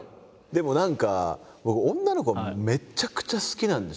でも何か僕女の子めちゃくちゃ好きなんですよ。